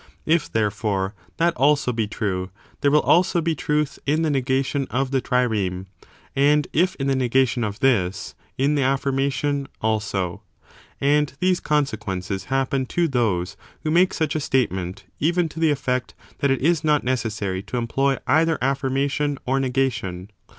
If, therefore, that also be true, there will also be truth in the negation of the trireme ; and if in the negation of this, in the affirmation also. And these consequences happen to those who make such a statement, even to the effect that it is not necessary to employ either affirmation or negation.